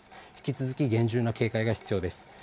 引き続き厳重な警戒が必要です。